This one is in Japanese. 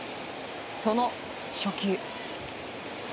その初球。